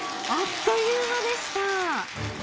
あっという間でした。